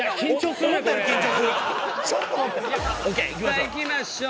さあいきましょう。